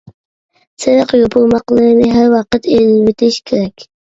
سېرىق يوپۇرماقلىرىنى ھەر ۋاقىت ئېلىۋېتىش كېرەك.